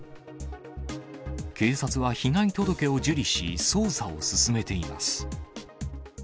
警察は被害届を受理し、捜査を進めています。